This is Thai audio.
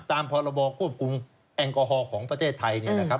ตามพรบควบคุมแอลกอฮอลของประเทศไทยเนี่ยนะครับ